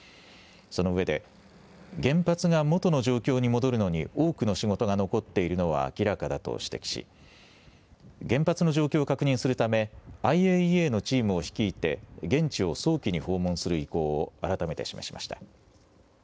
そのうえで原発が元の状況に戻るのに多くの仕事が残っているのは明らかだと指摘し原発の状況を確認するためＩＡＥＡのチームを率いて現地を早期に訪問する意向を改めて示しました。